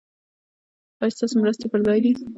ایا ستاسو مرستې پر ځای دي؟